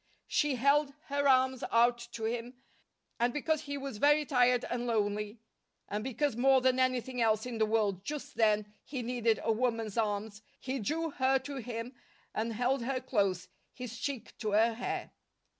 She held her arms out to him, and because he was very tired and lonely, and because more than anything else in the world just then he needed a woman's arms, he drew her to him and held her close, his cheek to her hair.